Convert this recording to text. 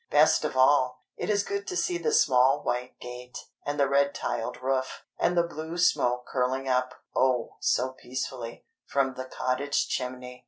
Best of all, it is good to see the small white gate, and the red tiled roof, and the blue smoke curling up, oh, so peacefully, from the cottage chimney.